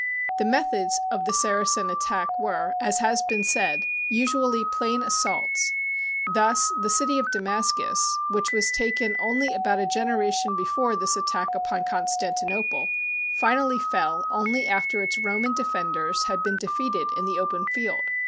The methods of the Saracen attack were, as has been said, usually plain assaults. Thus the city of Damascus, which was taken only about a genera tion before this attack upon Constantinople, finally fell only after its Roman defenders had been de feated in the open field.